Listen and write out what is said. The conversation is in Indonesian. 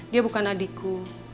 dia bukan adikku